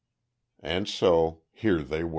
And so here they were.